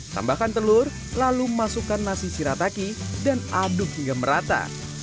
tambahkan telur lalu masukkan nasi shirataki dan aduk hingga merata